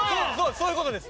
そういう事です。